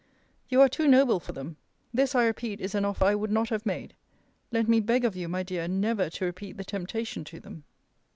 You are too noble for them. This, I repeat, is an offer I would not have made. Let me beg of you, my dear, never to repeat the temptation to them.